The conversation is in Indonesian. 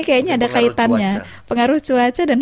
kota sion yang terindah